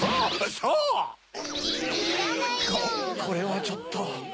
これはちょっと。